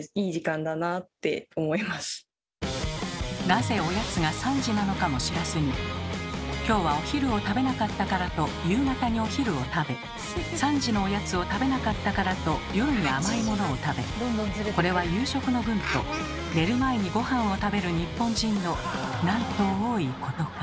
なぜおやつが「３時」なのかも知らずに今日はお昼を食べなかったからと夕方にお昼を食べ３時のおやつを食べなかったからと夜に甘いものを食べ「これは夕食の分」と寝る前にごはんを食べる日本人のなんと多いことか。